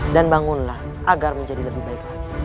dan bangunlah agar menjadi lebih baik lagi